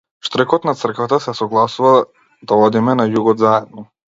Штркот на црквата се согласува да одиме на југот заедно.